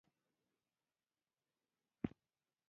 آیا افغانستان د تیلو زیرمې لري؟